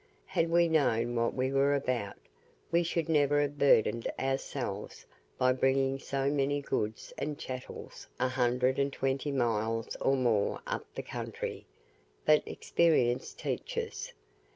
Had we known what we were about, we should never have burdened ourselves by bringing so many goods and chattels a hundred and twenty miles or more up the country; but "experience teaches."